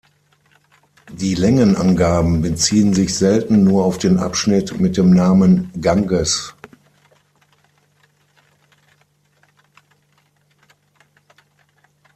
Die Längenangaben beziehen sich selten nur auf den Abschnitt mit dem Namen "Ganges".